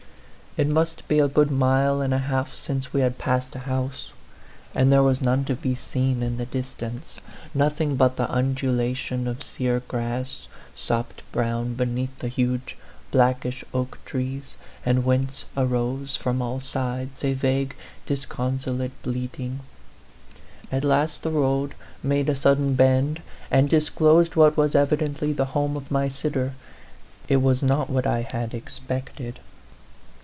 It must be a good mile and a half since we had passed a house, and there was none to be seen in the distance, nothing but the undulation of sere grass, sopped brown be neath the huge, blackish oak trees, and whence arose, from all sides, a vague discon A PHANTOM LOVER. 13 solate bleating. At last the road made a sud den bend, and disclosed what was evidently the home of my sitter. It was not what I had expected.